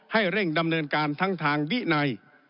ให้เร่งดำเนินการทั้งทางวินัย